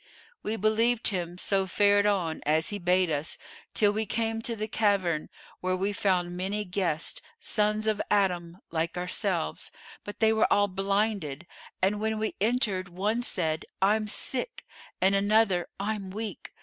We believed him so fared on, as he bade us, till we came to the cavern, where we found many guests, Sons of Adam like ourselves, but they were all blinded;[FN#440] and when we entered, one said, 'I'm sick'; and another, 'I'm weak.